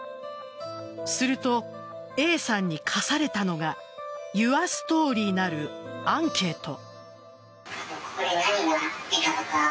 すると、Ａさんに課されたのがユア・ストーリーなるアンケート。